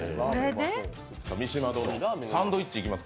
三島殿、サンドイッチいきますか？